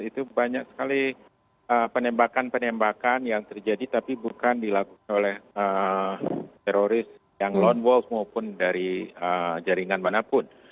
itu banyak sekali penembakan penembakan yang terjadi tapi bukan dilakukan oleh teroris yang lone wolf maupun dari jaringan manapun